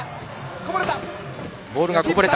こぼれた。